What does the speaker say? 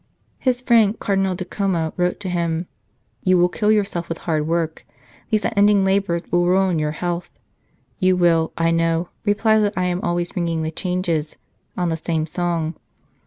His friend Cardinal de Como wrote to him : "You will kill yourself with hard work; these unending labours will ruin your health. You will, I know, reply that I am always ringing the changes on the same song.